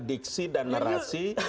diksi dan narasi